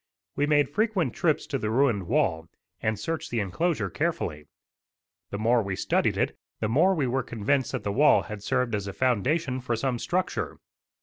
We made frequent trips to the ruined wall, and searched the enclosure carefully. The more we studied it the more we were convinced that the wall had served as a foundation for some structure.